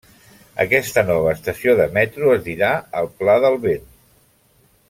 Aquesta nova estació de metro es dirà El Pla del Vent.